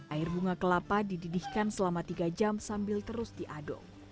air bunga kelapa dididihkan selama tiga jam sambil terus diaduk